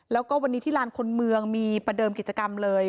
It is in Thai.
แล้วก็วันนี้ที่ลานคนเมืองมีประเดิมกิจกรรมเลย